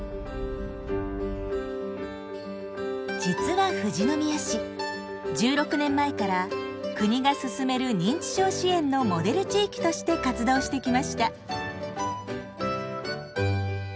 実は富士宮市１６年前から国が進める認知症支援のモデル地域として活動してきました。